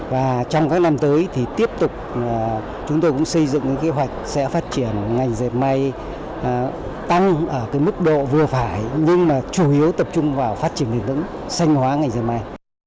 và trong các năm tới thì tiếp tục chúng tôi cũng xây dựng những kế hoạch sẽ phát triển ngành dẹp may tăng ở cái mức độ vừa phải nhưng mà chủ yếu tập trung vào phát triển nền lưỡng sanh hóa ngành dẹp may